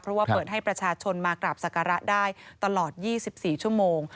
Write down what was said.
เพราะว่าเปิดให้ประชาชนมากราบศักระได้ตลอด๒๔ชั่วโมง